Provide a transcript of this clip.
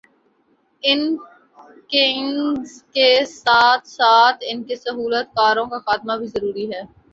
ان gangs کے ساتھ ساتھ انکے سہولت کاروں کا خاتمہ بھی ضروری ہے